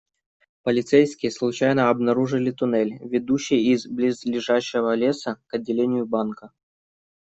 Полицейские случайно обнаружили туннель, ведущий из близлежащего леса к отделению банка.